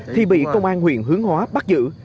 thì bị công an huyện hướng hóa bắt giữ